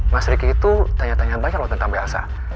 mas riki itu tanya tanya banyak loh tentang mbak elsa